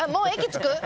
着く？